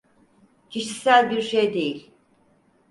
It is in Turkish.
Kişisel bir şey değil.